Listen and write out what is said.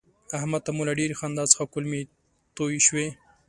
احمد ته مو له ډېرې خندا څخه کولمې توی شوې.